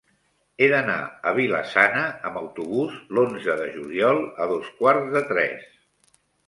He d'anar a Vila-sana amb autobús l'onze de juliol a dos quarts de tres.